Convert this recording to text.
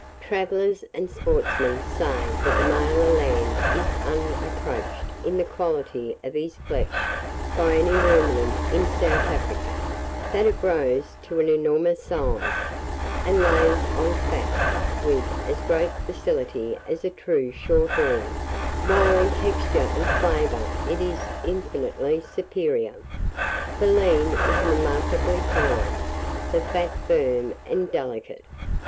Travellers and sportsmen say that the male eland is unapproached in the quality of his flesh by any ruminant in South Africa; that it grows to an enormous size, and lays on fat with as great facility as a true short horn; while in texture and flavour it is infinitely superior. The lean is remarkably fine, the fat firm and delicate.